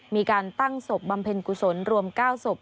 มีการตั้งศพบำเพ็ญกุศลรวม๙ศพ